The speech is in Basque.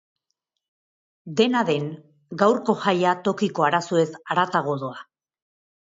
Dena den, gaurko jaia tokiko arazoez haratago doa.